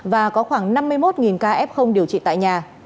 và có khoảng năm mươi một ca f điều trị tại nhà